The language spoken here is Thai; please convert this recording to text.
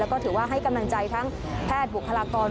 แล้วก็ถือว่าให้กำลังใจทั้งแพทย์บุคลากร